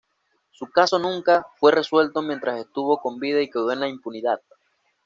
Su caso nunca fue resuelto mientras estuvo con vida y quedó en la impunidad.